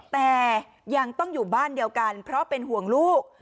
แต่ยังต้องอยู่บ้านเดียวกันเพราะเป็นห่วงลูก